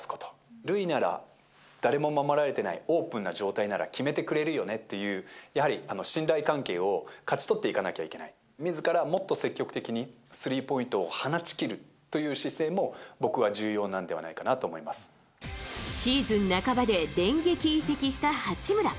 塁なら誰も守られてないオープンな状態なら決めてくれるよねっていう、やはり信頼関係を勝ち取っていかなきゃいけない、みずからもっと積極的に、スリーポイントを放ち切るという姿勢も僕は重要なんではないかなシーズン半ばで電撃移籍した八村。